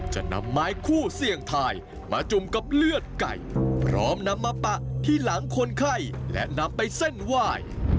จะนำไม้คู่เสี่ยงทายมาจุ่มกับเลือดไก่พร้อมนำมาปะที่หลังคนไข้และนำไปเส้นไหว้